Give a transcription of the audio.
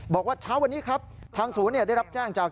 บอกว่าเช้าวันนี้ครับทางศูนย์ได้รับแจ้งจาก